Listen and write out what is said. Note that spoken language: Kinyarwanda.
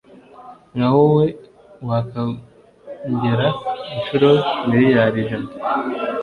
nka wowe wakongera inshuro miriyari ijana